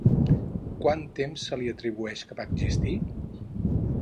Quant temps se li atribueix que va existir?